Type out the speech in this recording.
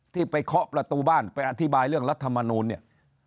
ที่ไปเคาะประตูบ้านไปอธิบายเรื่องรัฐมนูลเนี่ย